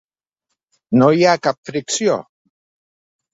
No hi ha cap fricció?